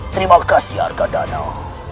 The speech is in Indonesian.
terima kasih arga danau